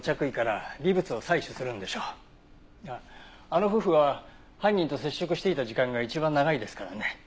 あの夫婦は犯人と接触していた時間が一番長いですからね。